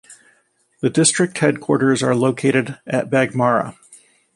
The district headquarters are located at Baghmara.